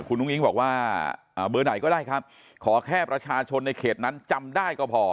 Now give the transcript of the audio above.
คุณอุ้งอิ๊งบอกว่าเบอร์ไหนก็ได้ครับขอแค่ประชาชนในเขตนั้นจำได้ก็พอ